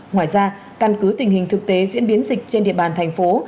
ngoài ra căn cứ tình hình thực tế diễn biến dịch trên địa bàn thành phố